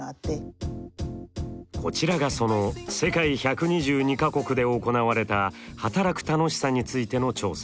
こちらがその世界１２２か国で行われた働く楽しさについての調査。